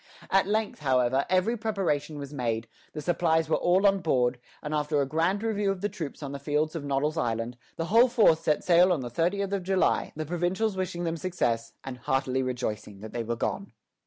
" At length, however, every preparation was made, the supplies were all on board, and after a grand review of the troops on the fields of Noddle's Island, the whole force set sail on the thirtieth of July, the provincials wishing them success, and heartily rejoicing that they were gone.